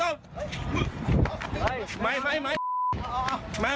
ออกมา